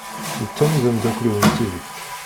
D Tom i d amdakel-iw n tidett.